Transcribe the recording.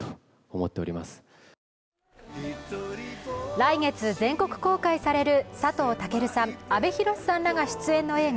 来月全国公開される佐藤健さん、阿部寛さんらが出演の映画